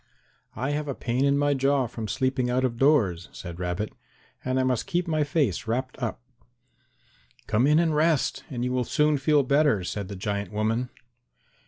"I have a pain in my jaw from sleeping out of doors," said Rabbit, "and I must keep my face wrapped up." "Come in and rest, and you will soon feel better," said the giant woman.